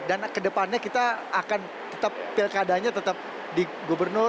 dan kedepannya kita akan tetap pilkadanya tetap di gubernur